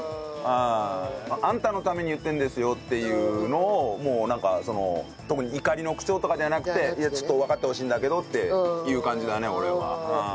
うん。あんたのために言ってるんですよっていうのをもうなんかその特に怒りの口調とかじゃなくていやちょっとわかってほしいんだけどっていう感じだね俺は。